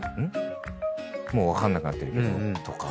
もう分かんなくなってるけど。とか全然あるから。